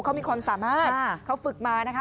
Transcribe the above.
เขามีความสามารถเขาฝึกมานะคะ